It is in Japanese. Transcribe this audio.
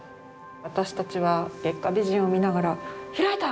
私たちは月下美人を見ながら「開いた！